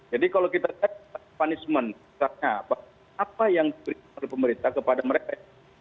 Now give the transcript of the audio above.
jadi kalau kita lihat punishment apa yang diberikan oleh pemerintah kepada mereka